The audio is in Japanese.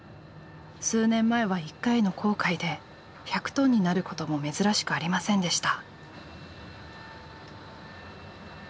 数年前は１回の航海で１００トンになることも珍しくありませんでした。